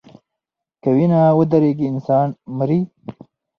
که وینه ودریږي انسان مري.